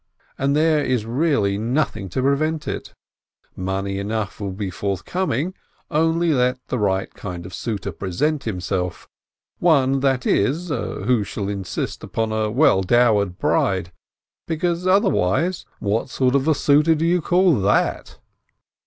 And there is really nothing to prevent it: money enough will be forthcoming, only let the right kind of suitor present himself, one, that is, who shall insist on a well dowered bride, because otherwise — what sort of a suitor do you call that?